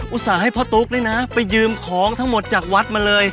อุตส่าห์ให้พ่อตุ๊กนี่นะไปยืมของทั้งหมดจากวัดมาเลย